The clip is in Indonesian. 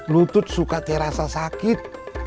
lutut suka terasa sakit